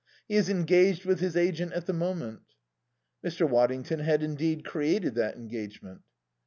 He is engaged with his agent at the moment." Mr. Waddington had, indeed, created that engagement.